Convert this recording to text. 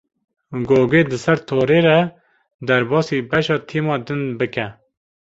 Gogê di ser torê re derbasî beşa tîma din bike.